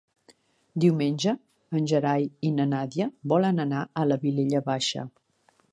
Diumenge en Gerai i na Nàdia volen anar a la Vilella Baixa.